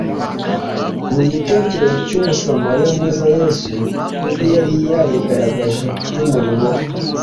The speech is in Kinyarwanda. Mu gitekerezo cy'Umusamariya mwiza Yesu ubwe yari yigaragaje n'umurimo we.